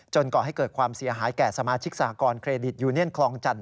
ก่อให้เกิดความเสียหายแก่สมาชิกสากรเครดิตยูเนียนคลองจันท